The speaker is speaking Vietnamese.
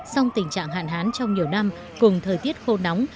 song tình trạng hạn hán trong nhiều năm cùng thời tiết khô nóng